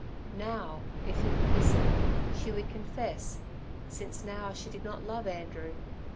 Now, if he would listen, she would confess, since now she did not love Andrew.